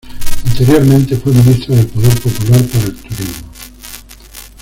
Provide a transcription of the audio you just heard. Anteriormente fue ministra del Poder Popular para el Turismo.